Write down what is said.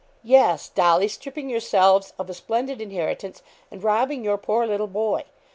'Yes, Dolly, stripping yourselves of a splendid inheritance, and robbing your poor little boy.